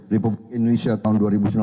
republik indonesia tahun dua ribu sembilan belas